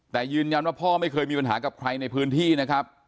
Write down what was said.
แต่ยืนยันว่าพ่อไม่เคยมีปัญหากับใครในพื้นที่นะครับ